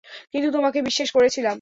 কিন্তু তোমাকে বিশ্বাস করেছিলাম!